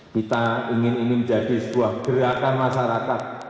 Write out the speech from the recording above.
kita ingin ini menjadi sebuah gerakan masyarakat